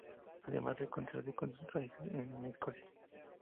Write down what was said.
Además de reencontrarse con sus raíces en escocia.